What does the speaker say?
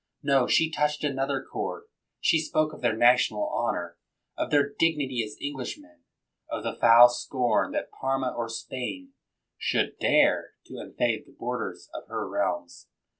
No! She touched another chord — she spoke of their national honor, of their dignity as Eng lishmen, of '' the foul scorn that Parma or Spain should dare to invade the borders of her realms.